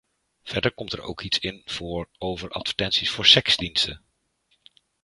Verder komt er ook iets in voor over advertenties voor seksdiensten.